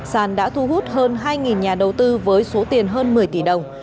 sàn đã thu hút hơn hai nhà đầu tư với số tiền hơn một mươi tỷ đồng